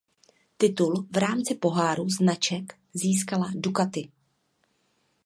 Titul v rámci poháru značek získala Ducati.